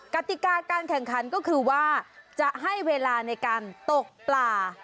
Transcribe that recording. กติกาการแข่งขันก็คือว่าจะให้เวลาในการตกปลา